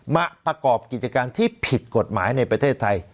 ประกอบกิจการที่ผิดกฎหมายในประเทศไทย